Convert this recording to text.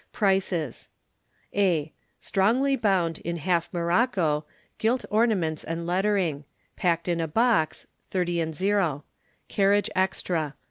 PRICES. A. Strongly bound in half morocco, gilt ornaments and lettering; packed in a box, 30/ ; carriage extra.